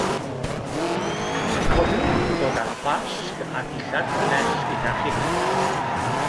Cofiwch ddod â fflasg a dillad cynnes gyda chi.